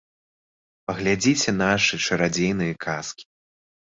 Паглядзіце нашы чарадзейныя казкі.